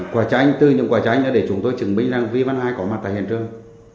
quả tranh từ những quả tranh là để chúng tôi chứng minh rằng vi văn hai có mặt tại hiện trường